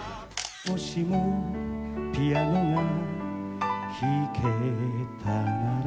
「もしもピアノが弾けたなら」